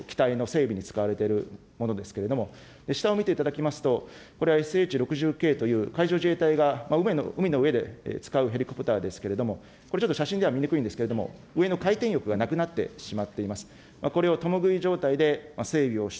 これはほかの機体の整備に使われているものですけれども、下を見ていただきますと、これはＳＨー６０Ｋという海上自衛隊が海の上で使うヘリコプターですけれども、これちょっと写真では見にくいんですけれども、上の回転翼がなくなってしまっています。